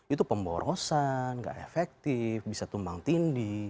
itu pemborosan gak efektif bisa tumbang tindi